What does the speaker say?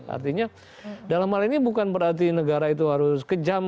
artinya dalam hal ini bukan berarti negara itu harus kejam